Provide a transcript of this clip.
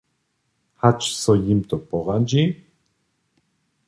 Hač so jim to poradźi?